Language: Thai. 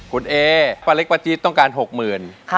คุณเอ๋ปะเล็กปะจี๊ดต้องการ๖หมื่น